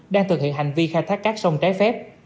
đang thực hiện hành vi khai thác cát sông trái phép